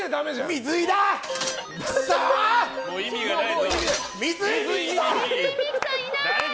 水井美紀さん、いない！